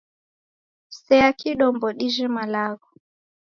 Sea kidombo dijhe malagho.